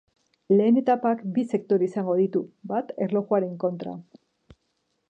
Lehen etapak bi sektore izango ditu, bat erlojuaren kontra.